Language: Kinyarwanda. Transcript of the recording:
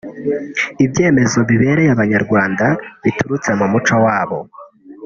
ibyemezo bibereye Abanyarwanda biturutse mu muco wabo